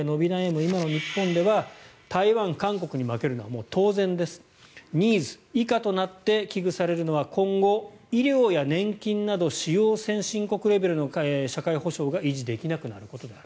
今の日本では台湾、韓国に負けるのはもう当然ですＮＩＥＳ以下となって危惧されるのは今後、医療や年金など主要先進国レベルの社会保障が維持できなくなることである。